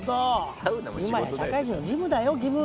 今や社会人の義務だよ義務。